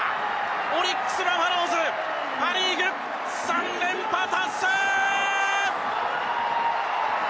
オリックス・バファローズパ・リーグ３連覇達成！